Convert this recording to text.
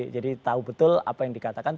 jadi tahu betul apa yang dikatakan